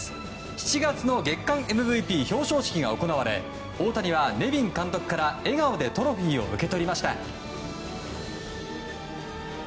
７月の月間ＭＶＰ表彰式が行われ大谷はネビン監督から笑顔でトロフィーを受け取りました。